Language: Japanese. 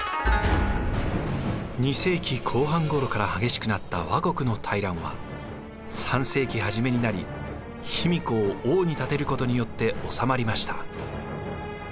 ２世紀後半ごろから激しくなった倭国の大乱は３世紀初めになり卑弥呼を王に立てることによって収まりました。